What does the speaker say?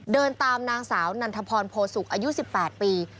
เดินตามนางสาวนันทพรโพสุกอายุ๑๘ปี